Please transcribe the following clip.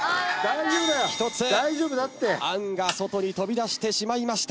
１つあんが外に飛び出してしまいました。